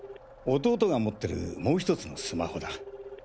弟が持ってるもうひとつのスマホだ。